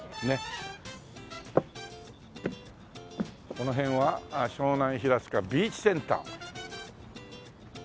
この辺は湘南ひらつかビーチセンター。